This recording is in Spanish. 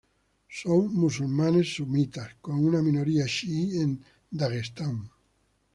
Son musulmanes sunitas, con una minoría chií en Daguestán.